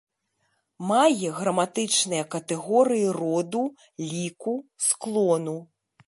Мае граматычныя катэгорыі роду, ліку, склону.